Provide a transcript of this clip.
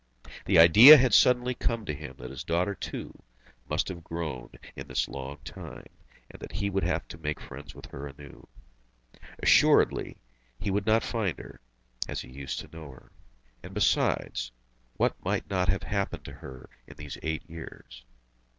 The idea had suddenly come to him that his daughter too must have grown in this long time, and that he would have to make friends with her anew. Assuredly he would not find her, as he used to know her. And besides, what might not have happened to her in these eight years?